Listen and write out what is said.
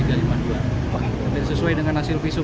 oke sesuai dengan hasil visum